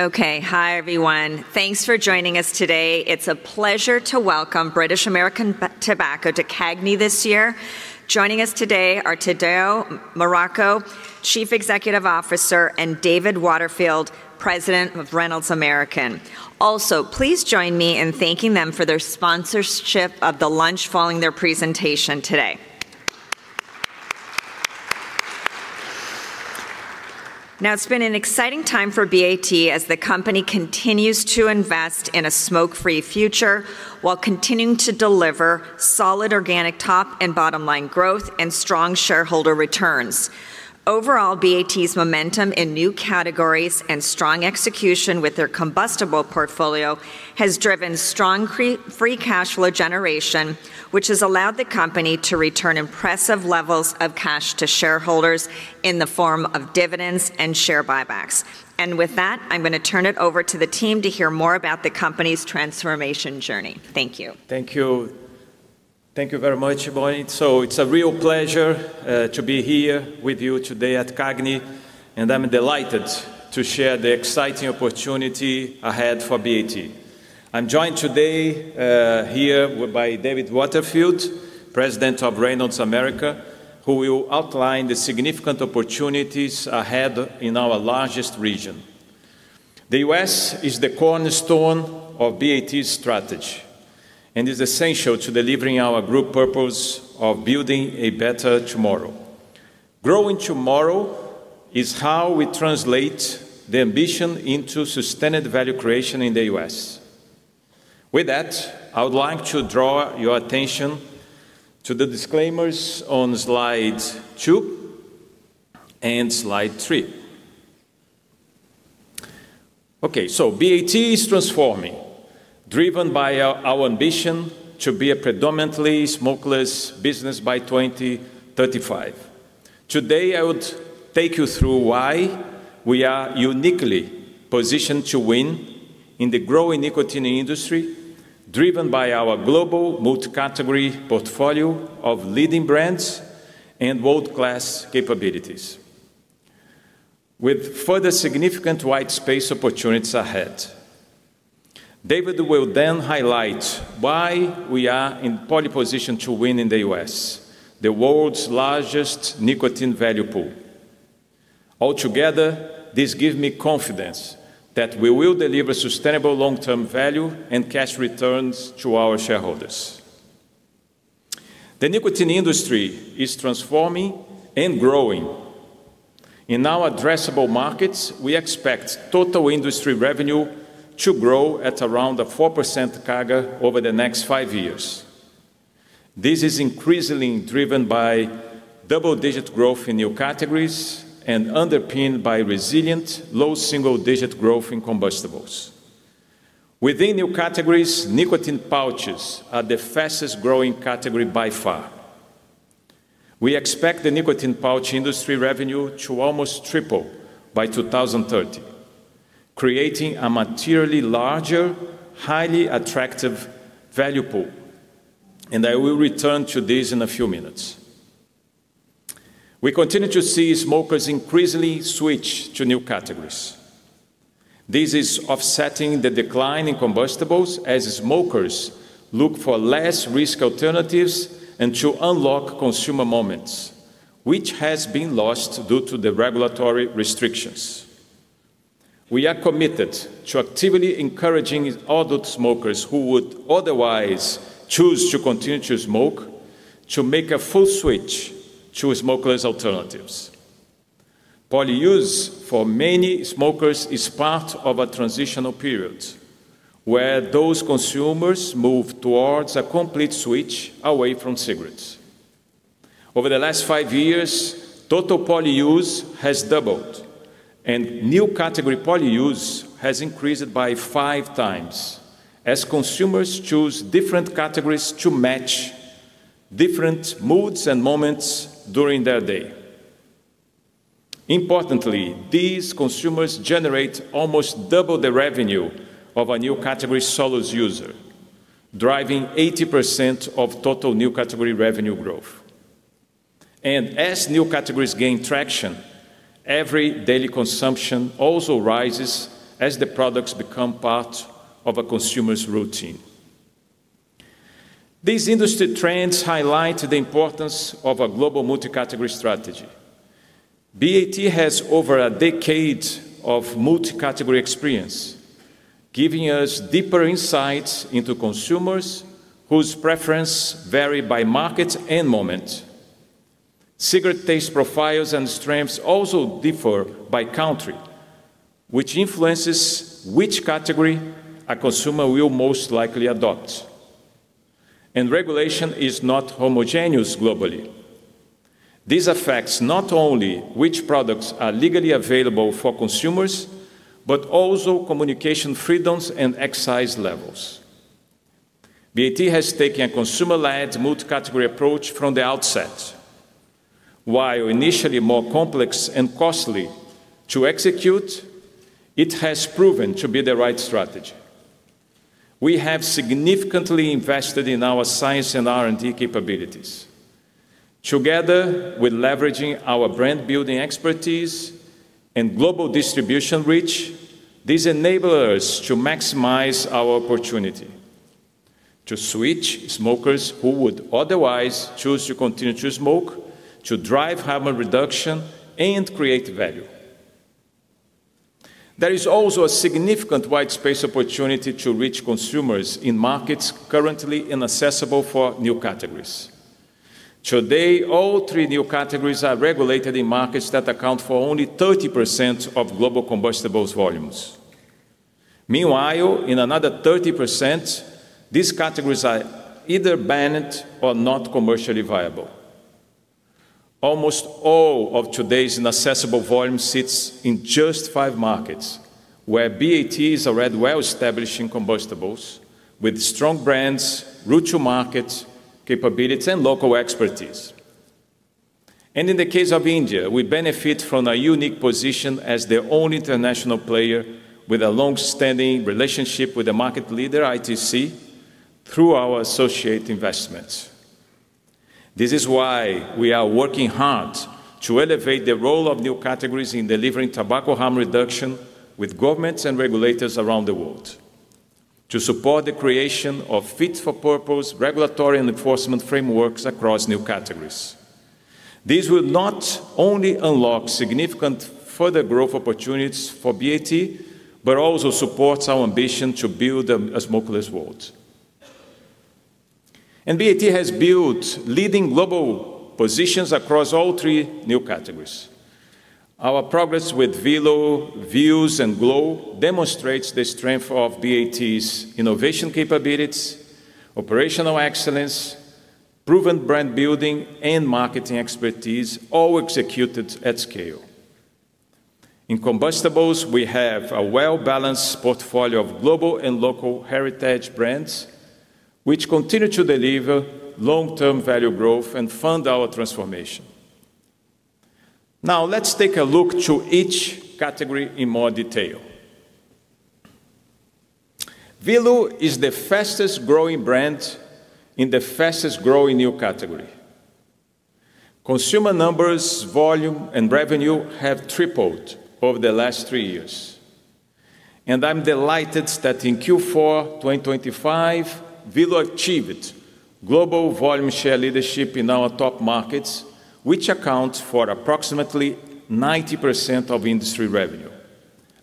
Okay. Hi, everyone. Thanks for joining us today. It's a pleasure to welcome British American Tobacco to CAGNY this year. Joining us today are Tadeu Marroco, Chief Executive Officer, and David Waterfield, President of Reynolds American. Also, please join me in thanking them for their sponsorship of the lunch following their presentation today. Now, it's been an exciting time for BAT as the company continues to invest in a smoke-free future, while continuing to deliver solid organic top and bottom line growth and strong shareholder returns. Overall, BAT's momentum in new categories and strong execution with their combustible portfolio has driven strong free cash flow generation, which has allowed the company to return impressive levels of cash to shareholders in the form of dividends and share buybacks. With that, I'm gonna turn it over to the team to hear more about the company's transformation journey. Thank you. Thank you. Thank you very much, Bonnie. So it's a real pleasure to be here with you today at CAGNY, and I'm delighted to share the exciting opportunity ahead for BAT. I'm joined today here by David Waterfield, President of Reynolds American, who will outline the significant opportunities ahead in our largest region. The U.S. is the cornerstone of BAT's strategy, and is essential to delivering our group purpose of building a Better Tomorrow. Growing tomorrow is how we translate the ambition into sustained value creation in the U.S. With that, I would like to draw your attention to the disclaimers on slide 2 and slide 3. Okay, so BAT is transforming, driven by our ambition to be a predominantly smokeless business by 2035. Today, I would take you through why we are uniquely positioned to win in the growing nicotine industry, driven by our global multi-category portfolio of leading brands and world-class capabilities, with further significant white space opportunities ahead. David will then highlight why we are in pole position to win in the U.S., the world's largest nicotine value pool. Altogether, this gives me confidence that we will deliver sustainable long-term value and cash returns to our shareholders. The nicotine industry is transforming and growing. In our addressable markets, we expect total industry revenue to grow at around a 4% CAGR over the next five years. This is increasingly driven by double-digit growth in new categories and underpinned by resilient, low single-digit growth in combustibles. Within new categories, nicotine pouches are the fastest growing category by far. We expect the nicotine pouch industry revenue to almost triple by 2030, creating a materially larger, highly attractive value pool, and I will return to this in a few minutes. We continue to see smokers increasingly switch to new categories. This is offsetting the decline in combustibles as smokers look for less risk alternatives and to unlock consumer moments, which has been lost due to the regulatory restrictions. We are committed to actively encouraging adult smokers who would otherwise choose to continue to smoke, to make a full switch to smokeless alternatives. Poly-use, for many smokers, is part of a transitional period, where those consumers move towards a complete switch away from cigarettes. Over the last five years, total poly-use has doubled, and new category poly-use has increased by five times, as consumers choose different categories to match different moods and moments during their day. Importantly, these consumers generate almost double the revenue of a new category solo user, driving 80% of total new category revenue growth. As new categories gain traction, every daily consumption also rises as the products become part of a consumer's routine. These industry trends highlight the importance of a global multi-category strategy. BAT has over a decade of multi-category experience, giving us deeper insights into consumers whose preference vary by market and moment. Cigarette taste profiles and strengths also differ by country, which influences which category a consumer will most likely adopt. Regulation is not homogeneous globally. This affects not only which products are legally available for consumers, but also communication freedoms and excise levels. BAT has taken a consumer-led multi-category approach from the outset. While initially more complex and costly to execute, it has proven to be the right strategy.... We have significantly invested in our science and R&D capabilities. Together with leveraging our brand building expertise and global distribution reach, this enable us to maximize our opportunity to switch smokers who would otherwise choose to continue to smoke, to drive harm reduction, and create value. There is also a significant white space opportunity to reach consumers in markets currently inaccessible for new categories. Today, all three new categories are regulated in markets that account for only 30% of global combustibles volumes. Meanwhile, in another 30%, these categories are either banned or not commercially viable. Almost all of today's inaccessible volume sits in just five markets, where BAT is already well established in combustibles with strong brands, route to market, capability, and local expertise. In the case of India, we benefit from a unique position as the only international player with a long-standing relationship with the market leader, ITC, through our associate investments. This is why we are working hard to elevate the role of new categories in delivering tobacco harm reduction with governments and regulators around the world, to support the creation of fit-for-purpose regulatory enforcement frameworks across new categories. This will not only unlock significant further growth opportunities for BAT, but also supports our ambition to build a smokeless world. BAT has built leading global positions across all three new categories. Our progress with Velo, Vuse, and glo demonstrates the strength of BAT's innovation capabilities, operational excellence, proven brand building, and marketing expertise, all executed at scale. In combustibles, we have a well-balanced portfolio of global and local heritage brands, which continue to deliver long-term value growth and fund our transformation. Now, let's take a look to each category in more detail. Velo is the fastest growing brand in the fastest growing new category. Consumer numbers, volume, and revenue have tripled over the last three years, and I'm delighted that in Q4 2025, Velo achieved global volume share leadership in our top markets, which account for approximately 90% of industry revenue,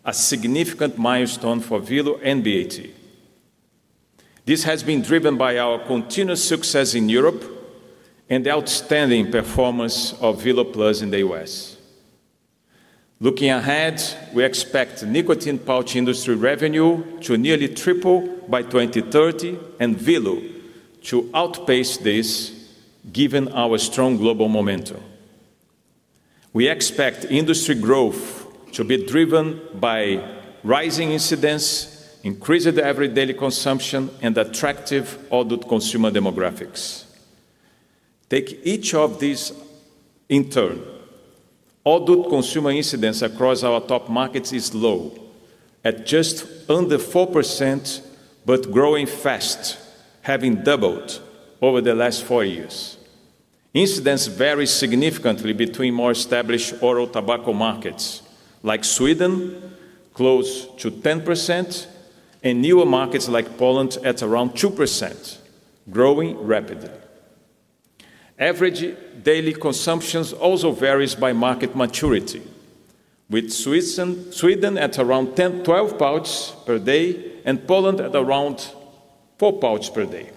a significant milestone for Velo and BAT. This has been driven by our continuous success in Europe and the outstanding performance of Velo Plus in the U.S. Looking ahead, we expect nicotine pouch industry revenue to nearly triple by 2030 and Velo to outpace this, given our strong global momentum. We expect industry growth to be driven by rising incidence, increased average daily consumption, and attractive adult consumer demographics. Take each of these in turn. Adult consumer incidence across our top markets is low, at just under 4%, but growing fast, having doubled over the last four years. Incidence varies significantly between more established oral tobacco markets, like Sweden, close to 10%, and newer markets like Poland at around 2%, growing rapidly. Average daily consumption also varies by market maturity, with Sweden at around 10-12 pouches per day and Poland at around 4 pouches per day.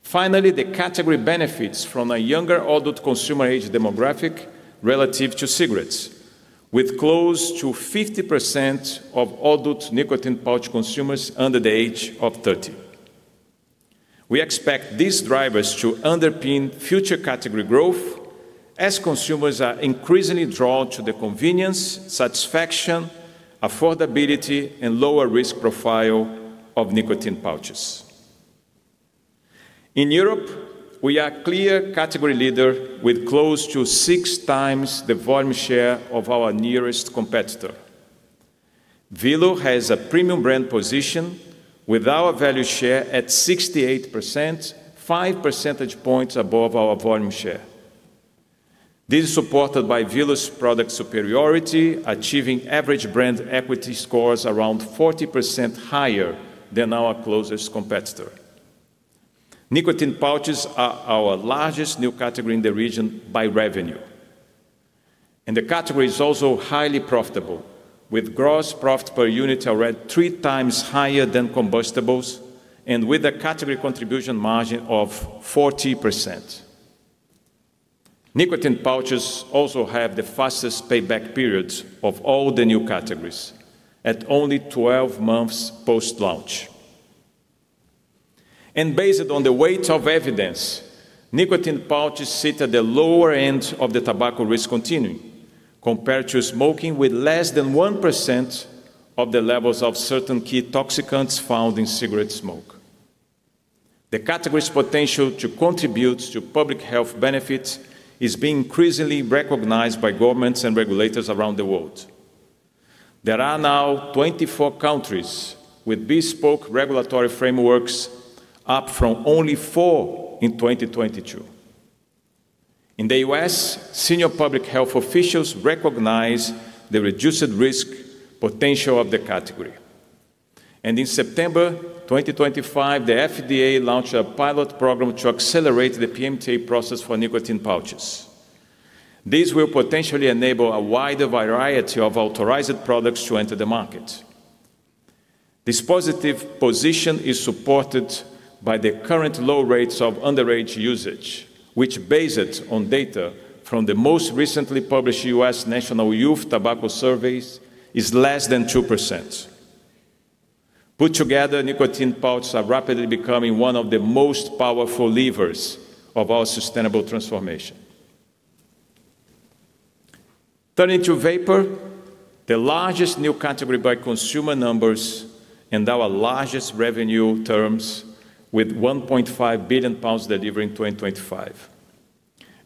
Finally, the category benefits from a younger adult consumer age demographic relative to cigarettes, with close to 50% of adult nicotine pouch consumers under the age of 30. We expect these drivers to underpin future category growth as consumers are increasingly drawn to the convenience, satisfaction, affordability, and lower risk profile of nicotine pouches. In Europe, we are a clear category leader with close to 6x the volume share of our nearest competitor. Velo has a premium brand position with our value share at 68%, 5 percentage points above our volume share. This is supported by Velo's product superiority, achieving average brand equity scores around 40% higher than our closest competitor. Nicotine pouches are our largest new category in the region by revenue, and the category is also highly profitable, with gross profit per unit already 3x higher than combustibles, and with a category contribution margin of 40%. Nicotine pouches also have the fastest payback periods of all the new categories, at only 12 months post-launch. Based on the weight of evidence, nicotine pouches sit at the lower end of the tobacco risk continuum, compared to smoking with less than 1% of the levels of certain key toxicants found in cigarette smoke. The category's potential to contribute to public health benefits is being increasingly recognized by governments and regulators around the world. There are now 24 countries with bespoke regulatory frameworks, up from only four in 2022. In the U.S., senior public health officials recognize the reduced risk potential of the category. In September 2025, the FDA launched a pilot program to accelerate the PMTA process for nicotine pouches. This will potentially enable a wider variety of authorized products to enter the market. This positive position is supported by the current low rates of underage usage, which, based on data from the most recently published U.S. National Youth Tobacco Surveys, is less than 2%. Put together, nicotine pouches are rapidly becoming one of the most powerful levers of our sustainable transformation. Turning to vapor, the largest new category by consumer numbers and our largest revenue terms, with 1.5 billion pounds delivered in 2025.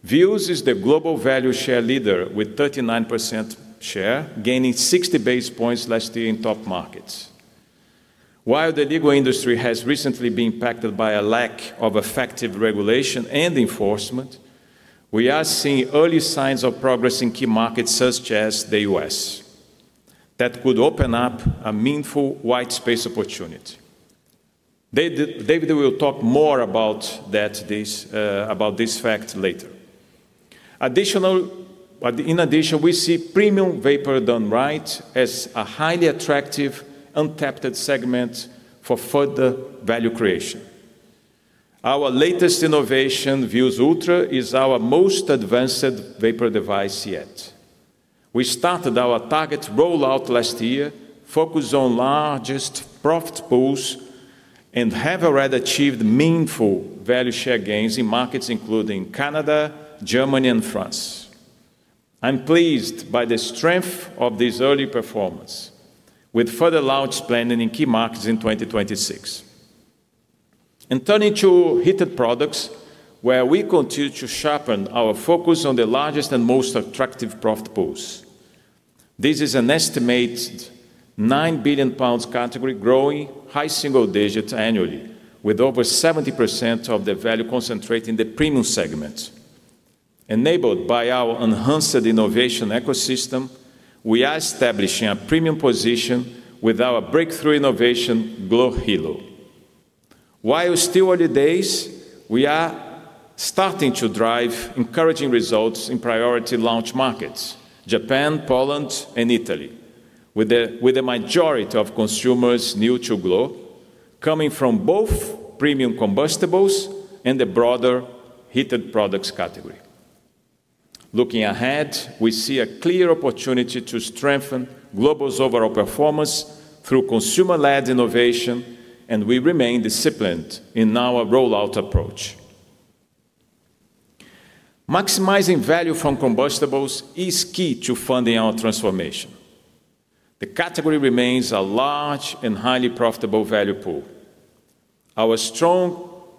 Vuse is the global value share leader, with 39% share, gaining 60 base points last year in top markets. While the legal industry has recently been impacted by a lack of effective regulation and enforcement, we are seeing early signs of progress in key markets, such as the U.S., that could open up a meaningful white space opportunity. David, David will talk more about that this, about this fact later. In addition, we see premium vapor done right as a highly attractive, untapped segment for further value creation. Our latest innovation, Vuse Ultra, is our most advanced vapor device yet. We started our target rollout last year, focused on largest profit pools, and have already achieved meaningful value share gains in markets including Canada, Germany, and France. I'm pleased by the strength of this early performance, with further launch planning in key markets in 2026. Turning to heated products, where we continue to sharpen our focus on the largest and most attractive profit pools. This is an estimated 9 billion pounds category, growing high single digits annually, with over 70% of the value concentrated in the premium segment. Enabled by our enhanced innovation ecosystem, we are establishing a premium position with our breakthrough innovation, glo Hilo. While still early days, we are starting to drive encouraging results in priority launch markets, Japan, Poland, and Italy, with the majority of consumers new to glo, coming from both premium combustibles and the broader heated products category. Looking ahead, we see a clear opportunity to strengthen glo's overall performance through consumer-led innovation, and we remain disciplined in our rollout approach. Maximizing value from combustibles is key to funding our transformation. The category remains a large and highly profitable value pool. Our strong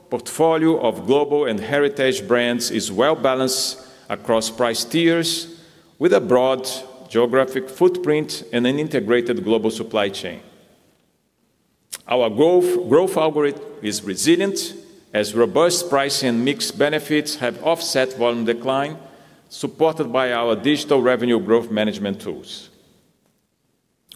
portfolio of global and heritage brands is well-balanced across price tiers, with a broad geographic footprint and an integrated global supply chain. Our growth algorithm is resilient, as robust pricing and mix benefits have offset volume decline, supported by our digital revenue growth management tools.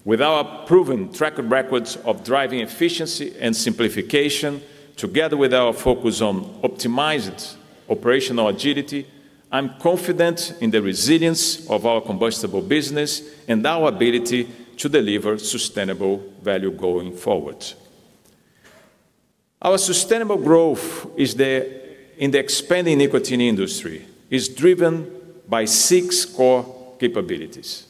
With our proven track records of driving efficiency and simplification, together with our focus on optimized operational agility, I'm confident in the resilience of our combustible business and our ability to deliver sustainable value going forward. Our sustainable growth in the expanding nicotine industry is driven by six core capabilities.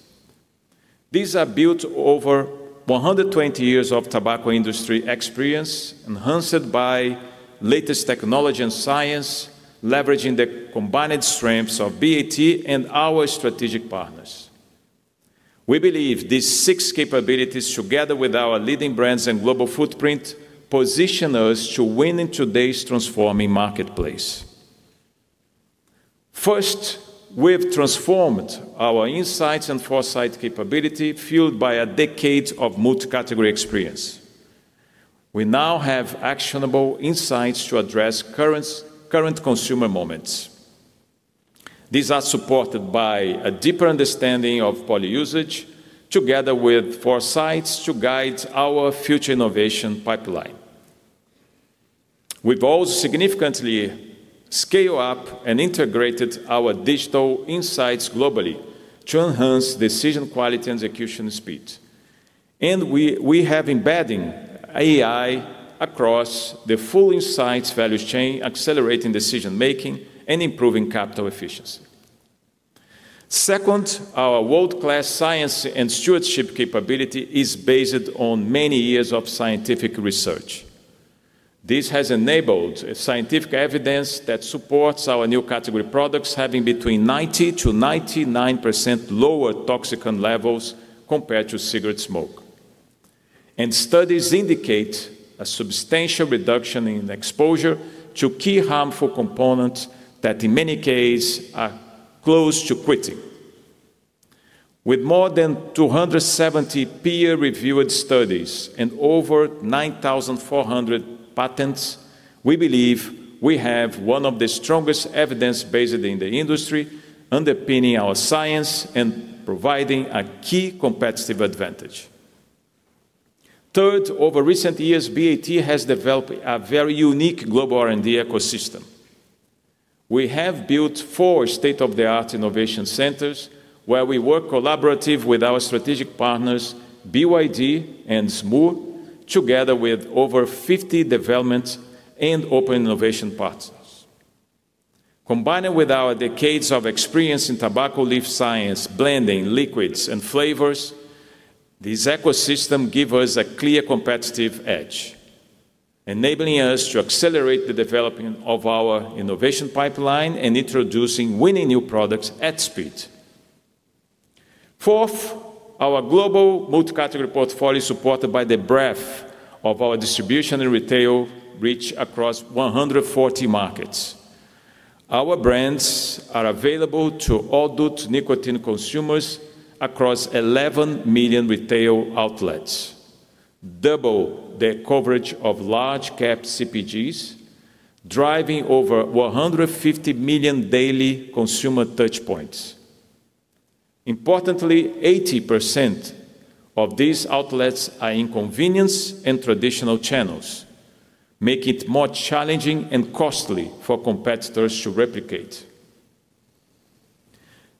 These are built over 120 years of tobacco industry experience, enhanced by latest technology and science, leveraging the combined strengths of BAT and our strategic partners. We believe these six capabilities, together with our leading brands and global footprint, position us to win in today's transforming marketplace. First, we've transformed our insights and foresight capability, fueled by a decade of multi-category experience. We now have actionable insights to address current, current consumer moments. These are supported by a deeper understanding of poly-use, together with foresights to guide our future innovation pipeline. We've also significantly scaled up and integrated our digital insights globally to enhance decision quality and execution speed. And we, we have embedding AI across the full insights value chain, accelerating decision-making and improving capital efficiency. Second, our world-class science and stewardship capability is based on many years of scientific research. This has enabled scientific evidence that supports our new category products having between 90%-99% lower toxicant levels compared to cigarette smoke. And studies indicate a substantial reduction in exposure to key harmful components that, in many cases, are close to quitting. With more than 270 peer-reviewed studies and over 9,400 patents, we believe we have one of the strongest evidence base in the industry, underpinning our science and providing a key competitive advantage. Third, over recent years, BAT has developed a very unique global R&D ecosystem. We have built four state-of-the-art innovation centers, where we work collaboratively with our strategic partners, BYD and Smoore, together with over 50 development and open innovation partners. Combined with our decades of experience in tobacco leaf science, blending, liquids, and flavors, this ecosystem gives us a clear competitive edge, enabling us to accelerate the development of our innovation pipeline and introducing winning new products at speed. Fourth, our global multi-category portfolio is supported by the breadth of our distribution and retail reach across 140 markets. Our brands are available to adult nicotine consumers across 11 million retail outlets, double the coverage of large cap CPGs, driving over 150 million daily consumer touch points. Importantly, 80% of these outlets are in convenience and traditional channels, making it more challenging and costly for competitors to replicate.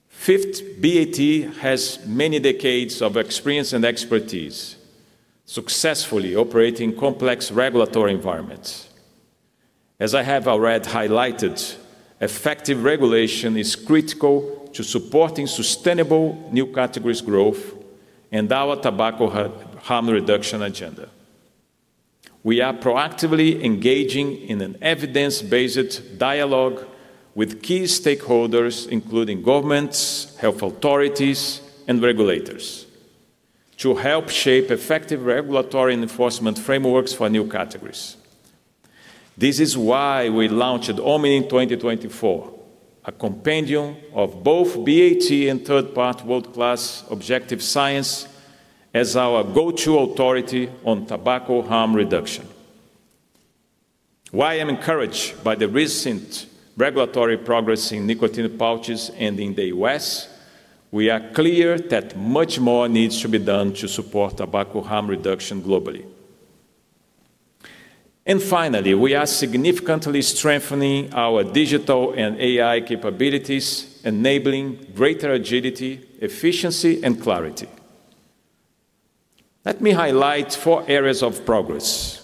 Fifth, BAT has many decades of experience and expertise, successfully operating complex regulatory environments. As I have already highlighted, effective regulation is critical to supporting sustainable new categories growth and our tobacco harm reduction agenda. We are proactively engaging in an evidence-based dialogue with key stakeholders, including governments, health authorities, and regulators, to help shape effective regulatory enforcement frameworks for new categories. This is why we launched Omni in 2024, a compendium of both BAT and third-party world-class objective science as our go-to authority on tobacco harm reduction. While I am encouraged by the recent regulatory progress in nicotine pouches and in the U.S., we are clear that much more needs to be done to support tobacco harm reduction globally. And finally, we are significantly strengthening our digital and AI capabilities, enabling greater agility, efficiency, and clarity. Let me highlight four areas of progress.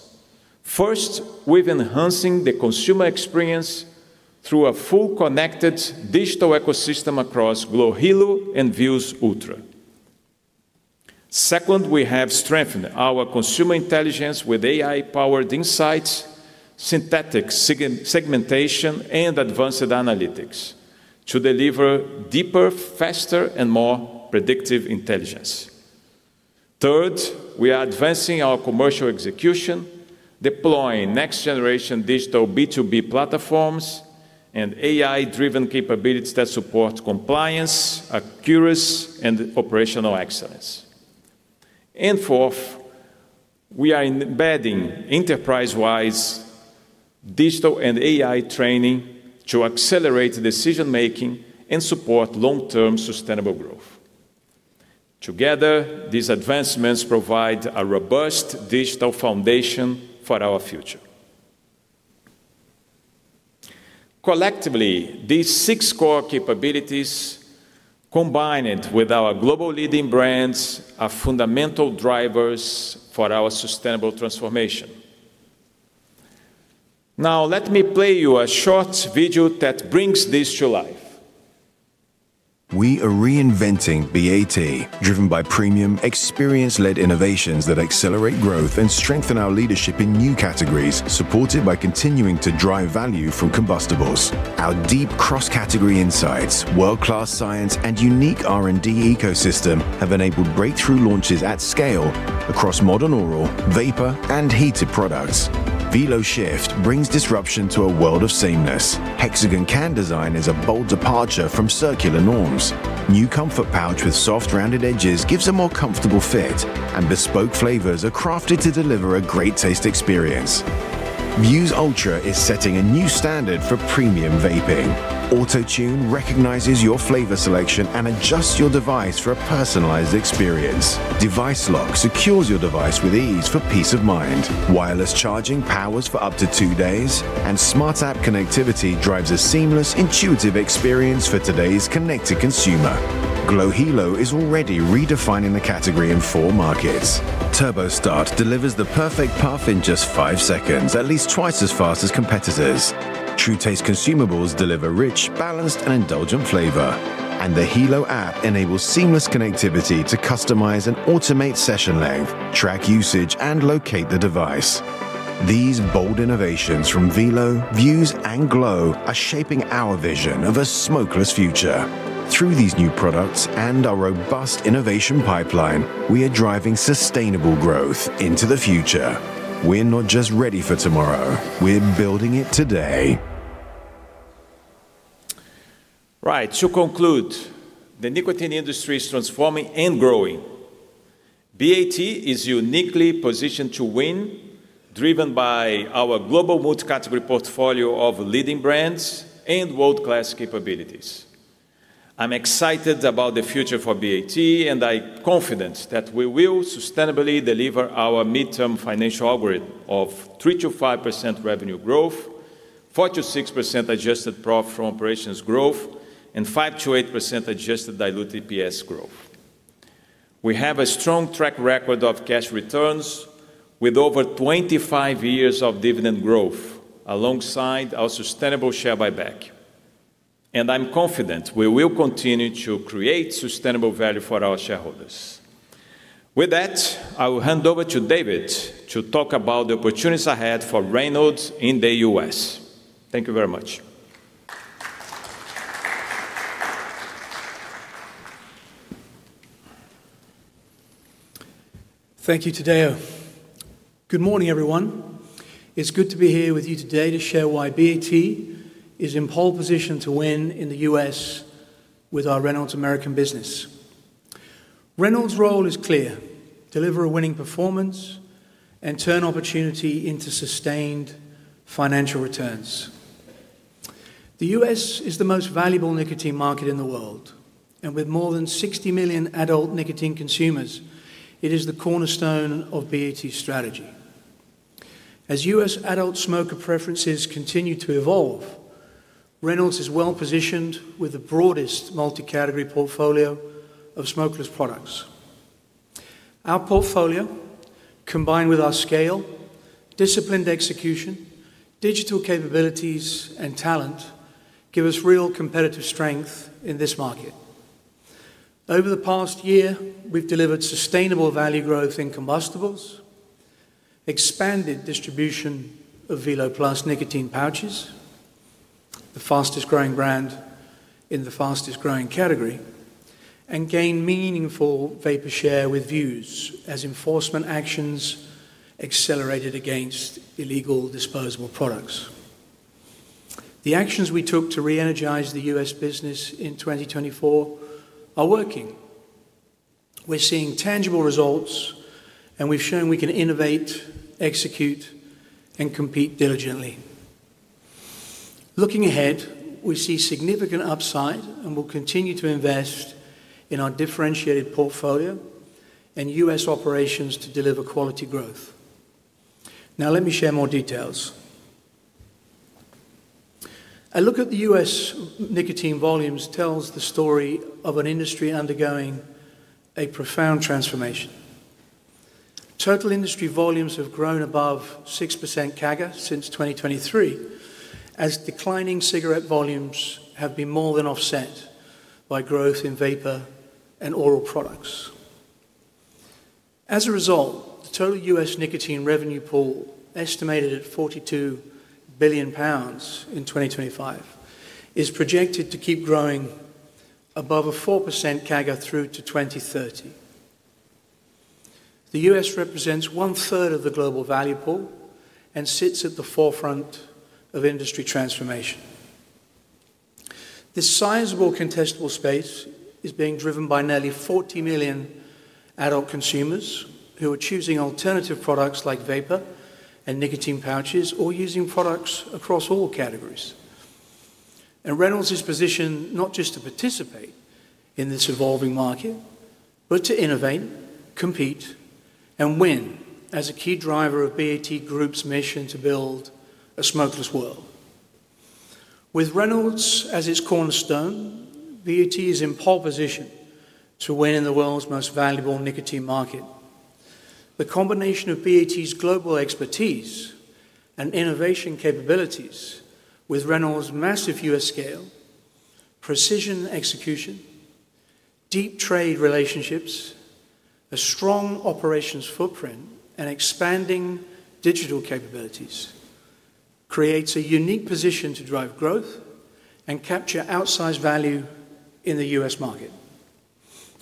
First, we're enhancing the consumer experience through a full connected digital ecosystem across glo Hilo and Vuse Ultra. Second, we have strengthened our consumer intelligence with AI-powered insights, synthetic segmentation, and advanced analytics to deliver deeper, faster, and more predictive intelligence. Third, we are advancing our commercial execution, deploying next-generation digital B2B platforms and AI-driven capabilities that support compliance, accuracy, and operational excellence. And fourth, we are embedding enterprise-wide digital and AI training to accelerate decision-making and support long-term sustainable growth. Together, these advancements provide a robust digital foundation for our future. Collectively, these six core capabilities, combined with our global leading brands, are fundamental drivers for our sustainable transformation. Now, let me play you a short video that brings this to life. We are reinventing BAT, driven by premium experience-led innovations that accelerate growth and strengthen our leadership in new categories, supported by continuing to drive value from combustibles. Our deep cross-category insights, world-class science, and unique R&D ecosystem have enabled breakthrough launches at scale across modern oral, vapor, and heated products. Velo Shift brings disruption to a world of sameness. Hexagon can design is a bold departure from circular norms. New comfort pouch with soft, rounded edges gives a more comfortable fit, and bespoke flavors are crafted to deliver a great taste experience. Vuse Ultra is setting a new standard for premium vaping. AutoTune recognizes your flavor selection and adjusts your device for a personalized experience. Device Lock secures your device with ease for peace of mind. Wireless charging powers for up to two days, and smart app connectivity drives a seamless, intuitive experience for today's connected consumer. glo Hilo is already redefining the category in four markets. TurboStart delivers the perfect puff in just five seconds, at least twice as fast as competitors. True Taste consumables deliver rich, balanced, and indulgent flavor. And the Hilo app enables seamless connectivity to customize and automate session length, track usage, and locate the device. These bold innovations from Velo, Vuse, and glo are shaping our vision of a smokeless future. Through these new products and our robust innovation pipeline, we are driving sustainable growth into the future. We're not just ready for tomorrow, we're building it today. Right. To conclude, the nicotine industry is transforming and growing. BAT is uniquely positioned to win, driven by our global multicategory portfolio of leading brands and world-class capabilities. I'm excited about the future for BAT, and I'm confident that we will sustainably deliver our midterm financial algorithm of 3%-5% revenue growth, 4%-6% adjusted Profit from Operations growth, and 5%-8% adjusted diluted EPS growth. We have a strong track record of cash returns, with over 25 years of dividend growth, alongside our sustainable share buyback. I'm confident we will continue to create sustainable value for our shareholders. With that, I will hand over to David to talk about the opportunities ahead for Reynolds in the U.S. Thank you very much. Thank you, Tadeu. Good morning, everyone. It's good to be here with you today to share why BAT is in pole position to win in the U.S. with our Reynolds American business. Reynolds' role is clear: deliver a winning performance and turn opportunity into sustained financial returns. The U.S. is the most valuable nicotine market in the world, and with more than 60 million adult nicotine consumers, it is the cornerstone of BAT's strategy. As U.S. adult smoker preferences continue to evolve, Reynolds is well-positioned with the broadest multicategory portfolio of smokeless products. Our portfolio, combined with our scale, disciplined execution, digital capabilities, and talent, give us real competitive strength in this market. Over the past year, we've delivered sustainable value growth in combustibles, expanded distribution of Velo Plus nicotine pouches, the fastest-growing brand in the fastest-growing category, and gained meaningful vapor share with Vuse as enforcement actions accelerated against illegal disposable products. The actions we took to re-energize the U.S. business in 2024 are working. We're seeing tangible results, and we've shown we can innovate, execute, and compete diligently. Looking ahead, we see significant upside and will continue to invest in our differentiated portfolio and U.S. operations to deliver quality growth. Now, let me share more details. A look at the U.S. nicotine volumes tells the story of an industry undergoing a profound transformation. Total industry volumes have grown above 6% CAGR since 2023, as declining cigarette volumes have been more than offset by growth in vapor and oral products. As a result, the total U.S. nicotine revenue pool, estimated at 42 billion pounds in 2025, is projected to keep growing above a 4% CAGR through to 2030. The U.S. represents one-third of the global value pool and sits at the forefront of industry transformation. This sizable contestable space is being driven by nearly 40 million adult consumers who are choosing alternative products like vapor and nicotine pouches or using products across all categories. Reynolds is positioned not just to participate in this evolving market, but to innovate, compete, and win as a key driver of BAT Group's mission to build a smokeless world. With Reynolds as its cornerstone, BAT is in pole position to win in the world's most valuable nicotine market. The combination of BAT's global expertise and innovation capabilities with Reynolds' massive U.S. scale, precision execution, deep trade relationships, a strong operations footprint, and expanding digital capabilities, creates a unique position to drive growth and capture outsized value in the U.S. market.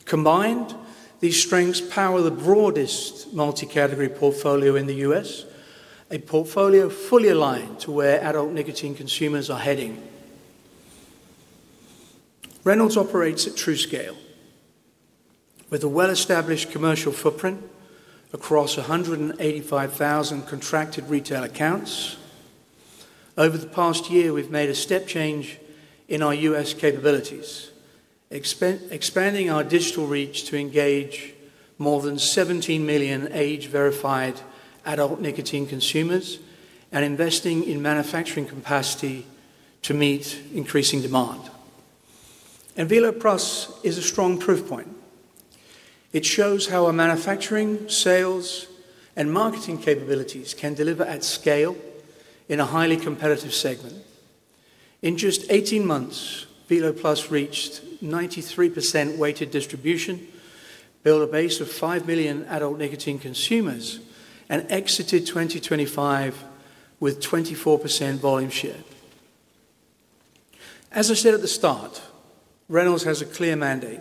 Combined, these strengths power the broadest multicategory portfolio in the U.S., a portfolio fully aligned to where adult nicotine consumers are heading. Reynolds operates at true scale, with a well-established commercial footprint across 185,000 contracted retail accounts. Over the past year, we've made a step change in our U.S. capabilities, expanding our digital reach to engage more than 17 million age-verified adult nicotine consumers and investing in manufacturing capacity to meet increasing demand. Velo Plus is a strong proof point. It shows how our manufacturing, sales, and marketing capabilities can deliver at scale in a highly competitive segment. In just 18 months, Velo Plus reached 93% weighted distribution, built a base of 5 million adult nicotine consumers, and exited 2025 with 24% volume share. As I said at the start, Reynolds has a clear mandate,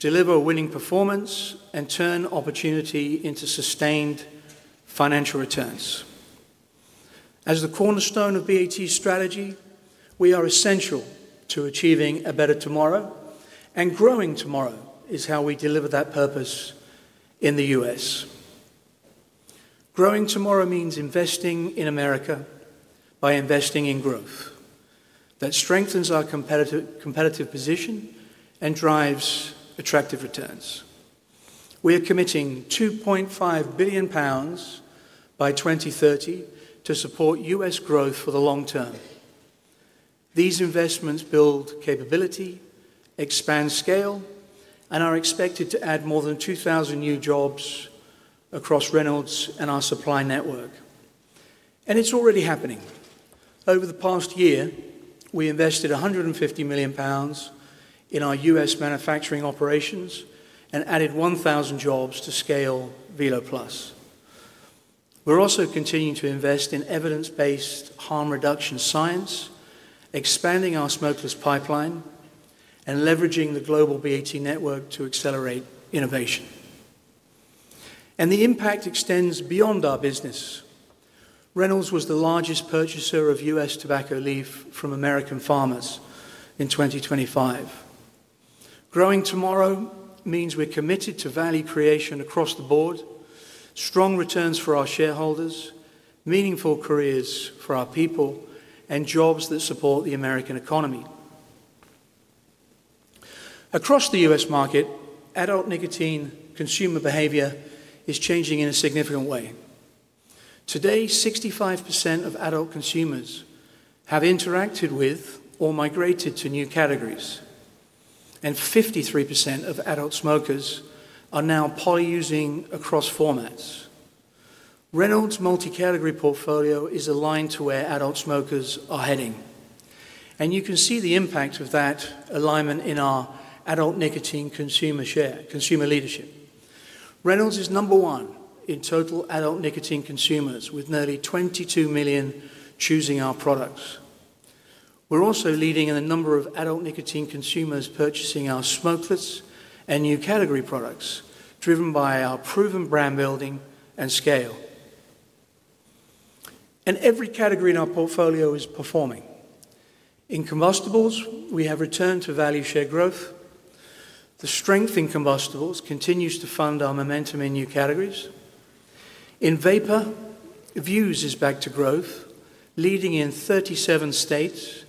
deliver a winning performance and turn opportunity into sustained financial returns. As the cornerstone of BAT's strategy, we are essential to achieving a Better Tomorrow, and growing tomorrow is how we deliver that purpose in the U.S. Growing tomorrow means investing in America by investing in growth. That strengthens our competitive position and drives attractive returns. We are committing 2.5 billion pounds by 2030 to support U.S. growth for the long term. These investments build capability, expand scale, and are expected to add more than 2,000 new jobs across Reynolds and our supply network. It's already happening. Over the past year, we invested 150 million pounds in our U.S. manufacturing operations and added 1,000 jobs to scale Velo Plus. We're also continuing to invest in evidence-based harm reduction science, expanding our smokeless pipeline, and leveraging the global BAT network to accelerate innovation. The impact extends beyond our business. Reynolds was the largest purchaser of U.S. tobacco leaf from American farmers in 2025. Growing tomorrow means we're committed to value creation across the board, strong returns for our shareholders, meaningful careers for our people, and jobs that support the American economy. Across the U.S. market, adult nicotine consumer behavior is changing in a significant way. Today, 65% of adult consumers have interacted with or migrated to new categories, and 53% of adult smokers are now poly-using across formats. Reynolds' multi-category portfolio is aligned to where adult smokers are heading, and you can see the impact of that alignment in our adult nicotine consumer share, consumer leadership. Reynolds is number one in total adult nicotine consumers, with nearly 22 million choosing our products. We're also leading in the number of adult nicotine consumers purchasing our smokeless and new category products, driven by our proven brand building and scale. Every category in our portfolio is performing. In combustibles, we have returned to value share growth. The strength in combustibles continues to fund our momentum in new categories. In vapor, Vuse is back to growth, leading in 37 states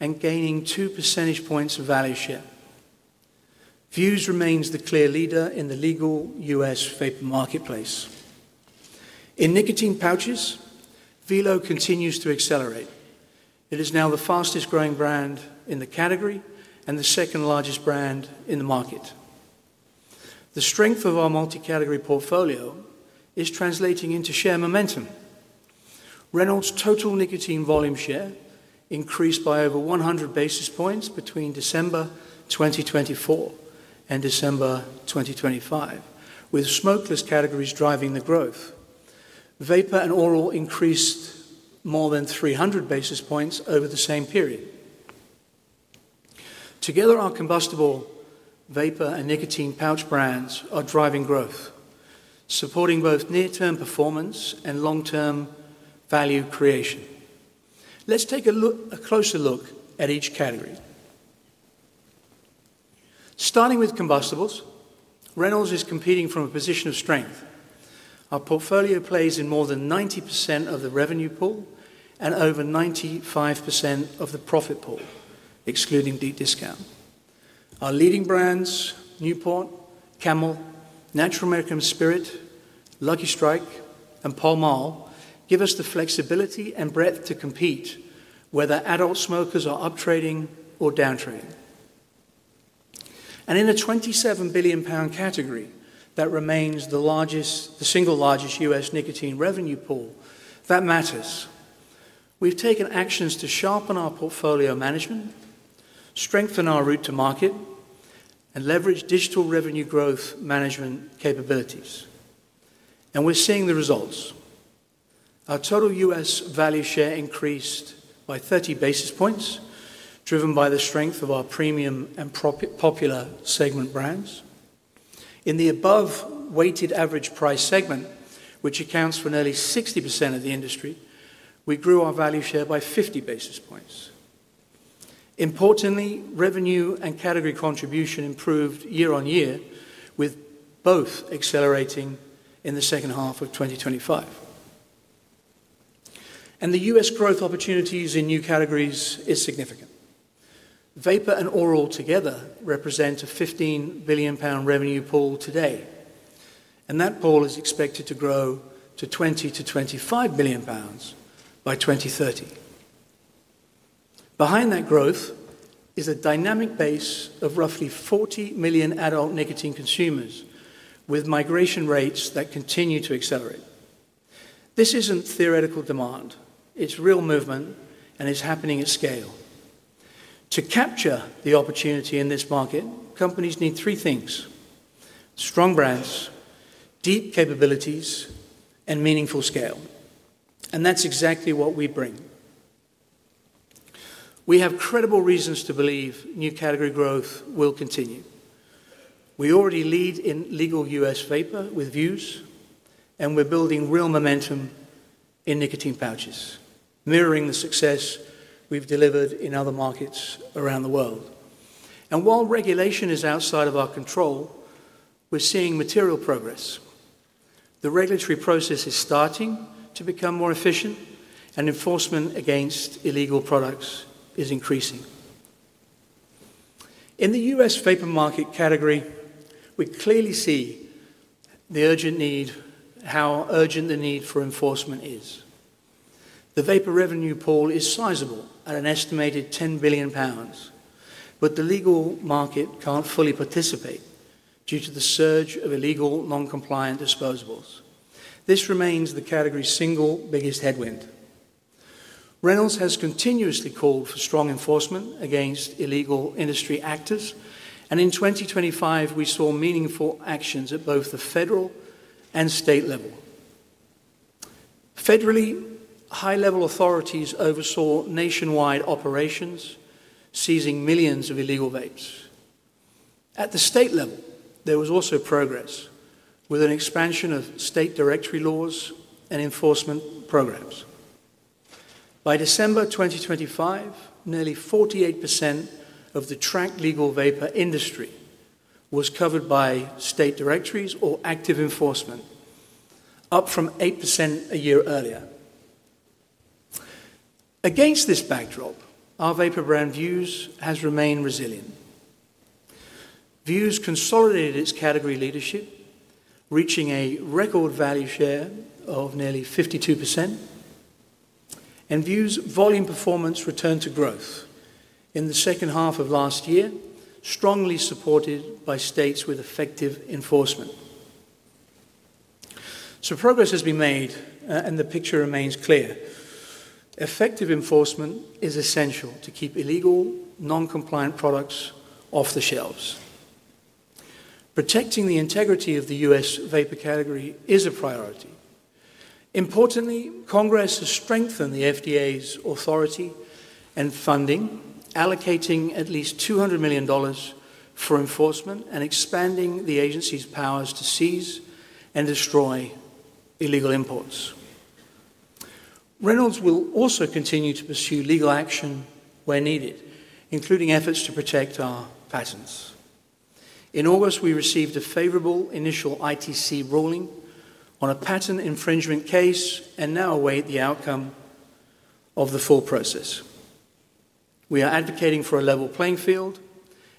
and gaining 2 percentage points of value share. Vuse remains the clear leader in the legal U.S. vapor marketplace. In nicotine pouches, Velo continues to accelerate. It is now the fastest growing brand in the category and the second largest brand in the market. The strength of our multi-category portfolio is translating into share momentum. Reynolds' total nicotine volume share increased by over 100 basis points between December 2024 and December 2025, with smokeless categories driving the growth. Vapor and oral increased more than 300 basis points over the same period. Together, our combustible vapor and nicotine pouch brands are driving growth, supporting both near-term performance and long-term value creation. Let's take a look, a closer look at each category. Starting with combustibles, Reynolds is competing from a position of strength. Our portfolio plays in more than 90% of the revenue pool and over 95% of the profit pool, excluding deep discount. Our leading brands, Newport, Camel, Natural American Spirit, Lucky Strike, and Pall Mall, give us the flexibility and breadth to compete, whether adult smokers are up trading or down trading. And in a 27 billion pound category, that remains the largest, the single largest U.S. nicotine revenue pool, that matters. We've taken actions to sharpen our portfolio management, strengthen our route to market, and leverage digital revenue growth management capabilities, and we're seeing the results. Our total U.S. value share increased by 30 basis points, driven by the strength of our premium and popular segment brands. In the above weighted average price segment, which accounts for nearly 60% of the industry, we grew our value share by 50 basis points. Importantly, revenue and category contribution improved year-on-year, with both accelerating in the second half of 2025. The U.S. growth opportunities in new categories is significant. Vapor and oral together represent a 15 billion pound revenue pool today, and that pool is expected to grow to 20 billion-25 billion pounds by 2030. Behind that growth is a dynamic base of roughly 40 million adult nicotine consumers, with migration rates that continue to accelerate.... This isn't theoretical demand, it's real movement, and it's happening at scale. To capture the opportunity in this market, companies need three things: strong brands, deep capabilities, and meaningful scale, and that's exactly what we bring. We have credible reasons to believe new category growth will continue. We already lead in legal U.S. vapor with Vuse, and we're building real momentum in nicotine pouches, mirroring the success we've delivered in other markets around the world. While regulation is outside of our control, we're seeing material progress. The regulatory process is starting to become more efficient, and enforcement against illegal products is increasing. In the U.S. vapor market category, we clearly see the urgent need, how urgent the need for enforcement is. The vapor revenue pool is sizable, at an estimated 10 billion pounds, but the legal market can't fully participate due to the surge of illegal, non-compliant disposables. This remains the category's single biggest headwind. Reynolds has continuously called for strong enforcement against illegal industry actors, and in 2025, we saw meaningful actions at both the federal and state level. Federally, high-level authorities oversaw nationwide operations, seizing millions of illegal vapes. At the state level, there was also progress, with an expansion of state directory laws and enforcement programs. By December 2025, nearly 48% of the tracked legal vapor industry was covered by state directories or active enforcement, up from 8% a year earlier. Against this backdrop, our vapor brand Vuse has remained resilient. Vuse consolidated its category leadership, reaching a record value share of nearly 52%, and Vuse volume performance returned to growth in the second half of last year, strongly supported by states with effective enforcement. Progress has been made, and the picture remains clear. Effective enforcement is essential to keep illegal, non-compliant products off the shelves. Protecting the integrity of the U.S. vapor category is a priority. Importantly, Congress has strengthened the FDA's authority and funding, allocating at least $200 million for enforcement and expanding the agency's powers to seize and destroy illegal imports. Reynolds will also continue to pursue legal action where needed, including efforts to protect our patents. In August, we received a favorable initial ITC ruling on a patent infringement case and now await the outcome of the full process. We are advocating for a level playing field,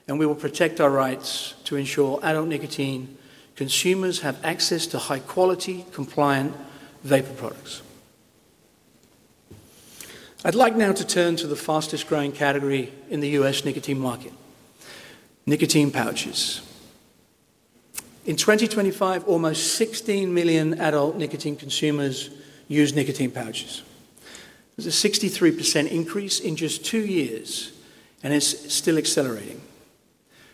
and we will protect our rights to ensure adult nicotine consumers have access to high-quality, compliant vapor products. I'd like now to turn to the fastest-growing category in the U.S. nicotine market, nicotine pouches. In 2025, almost 16 million adult nicotine consumers used nicotine pouches. There's a 63% increase in just two years, and it's still accelerating.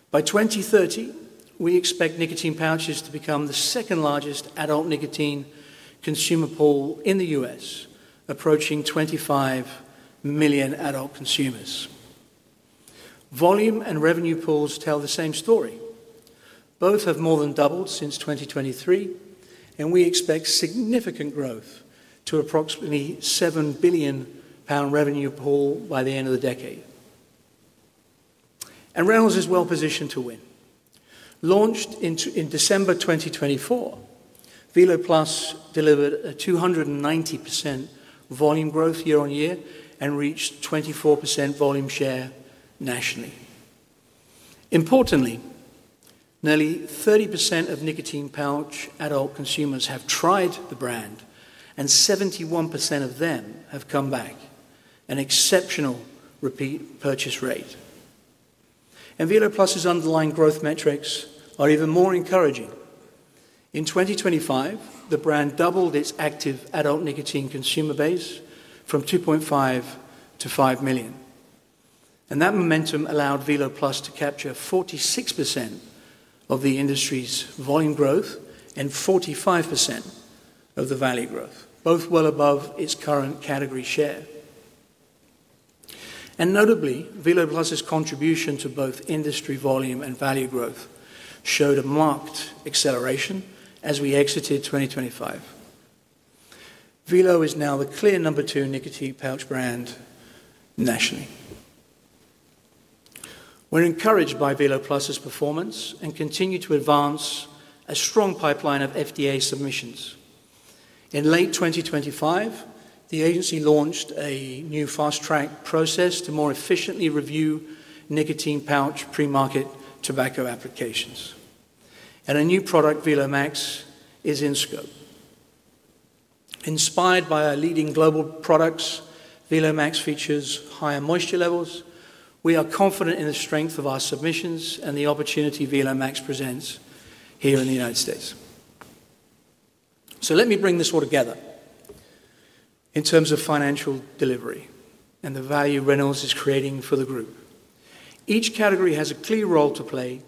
By 2030, we expect nicotine pouches to become the second-largest adult nicotine consumer pool in the U.S., approaching 25 million adult consumers. Volume and revenue pools tell the same story. Both have more than doubled since 2023, and we expect significant growth to approximately £7 billion revenue pool by the end of the decade. Reynolds is well positioned to win. Launched in December 2024, Velo Plus delivered a 290% volume growth year on year and reached 24% volume share nationally. Importantly, nearly 30% of nicotine pouch adult consumers have tried the brand, and 71% of them have come back, an exceptional repeat purchase rate. Velo Plus underlying growth metrics are even more encouraging. In 2025, the brand doubled its active adult nicotine consumer base from 2.5 million to 5 million, and that momentum allowed Velo Plus to capture 46% of the industry's volume growth and 45% of the value growth, both well above its current category share. Notably, Velo Plus contribution to both industry volume and value growth showed a marked acceleration as we exited 2025. Velo is now the clear number two nicotine pouch brand nationally. We're encouraged by Velo Plus performance and continue to advance a strong pipeline of FDA submissions. In late 2025, the agency launched a new fast-track process to more efficiently review nicotine pouch pre-market tobacco applications. A new product, Velo Max, is in scope. Inspired by our leading global products... Velo Max features higher moisture levels. We are confident in the strength of our submissions and the opportunity Velo Max presents here in the United States. Let me bring this all together in terms of financial delivery and the value Reynolds is creating for the group. Each category has a clear role to play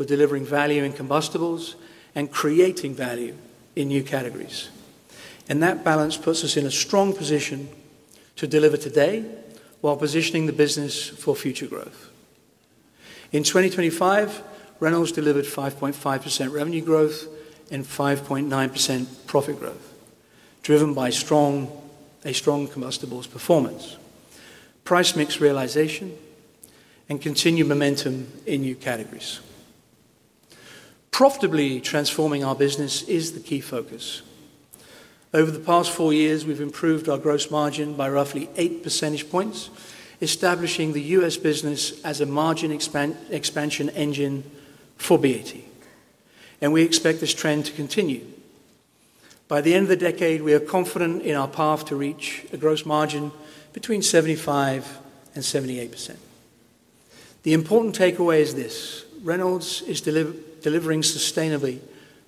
for delivering value in combustibles and creating value in new categories, and that balance puts us in a strong position to deliver today while positioning the business for future growth. In 2025, Reynolds delivered 5.5% revenue growth and 5.9% profit growth, driven by a strong combustibles performance, price mix realization, and continued momentum in new categories. Profitably transforming our business is the key focus. Over the past four years, we've improved our gross margin by roughly eight percentage points, establishing the U.S. business as a margin expansion engine for BAT, and we expect this trend to continue. By the end of the decade, we are confident in our path to reach a gross margin between 75% and 78%. The important takeaway is this: Reynolds is delivering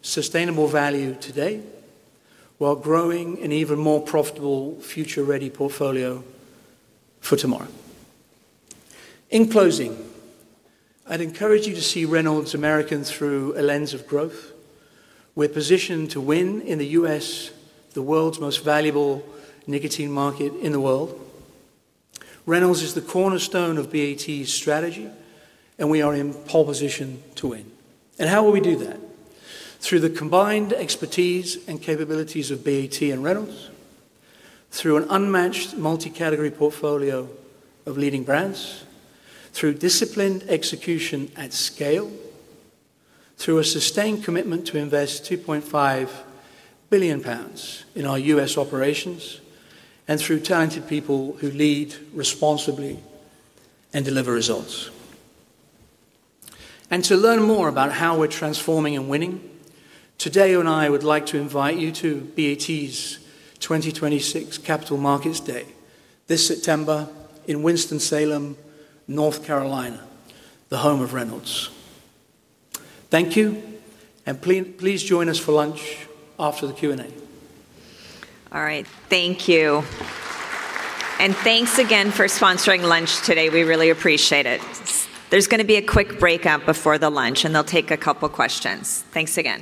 sustainable value today, while growing an even more profitable future-ready portfolio for tomorrow. In closing, I'd encourage you to see Reynolds American through a lens of growth. We're positioned to win in the U.S., the world's most valuable nicotine market in the world. Reynolds is the cornerstone of BAT's strategy, and we are in pole position to win. And how will we do that? Through the combined expertise and capabilities of BAT and Reynolds, through an unmatched multi-category portfolio of leading brands, through disciplined execution at scale, through a sustained commitment to invest 2.5 billion pounds in our U.S. operations, and through talented people who lead responsibly and deliver results. To learn more about how we're transforming and winning today, I would like to invite you to BAT's 2026 Capital Markets Day this September in Winston-Salem, North Carolina, the home of Reynolds. Thank you, and please join us for lunch after the Q&A. All right, thank you. Thanks again for sponsoring lunch today. We really appreciate it. There's gonna be a quick breakout before the lunch, and they'll take a couple questions. Thanks again.